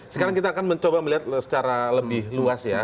sekarang kita akan mencoba melihat secara lebih luas ya